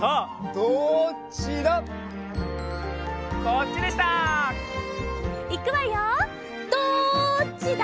どっちだ？